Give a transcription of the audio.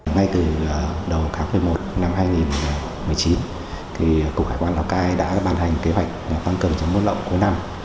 ngay từ đầu tháng một mươi một năm hai nghìn một mươi chín cục hải quan lào cai đã bàn hành kế hoạch tăng cường chống buôn lậu cuối năm